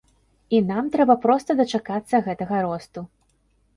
І нам трэба проста дачакацца гэтага росту.